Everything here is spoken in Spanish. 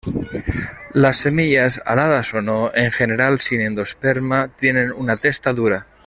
Las semillas, aladas o no, en general sin endosperma, tienen la testa dura.